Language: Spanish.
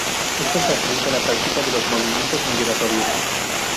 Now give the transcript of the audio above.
Esto facilita la práctica de los movimientos migratorios.